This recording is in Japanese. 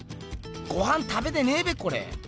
ごはん食べてねぇべこれ。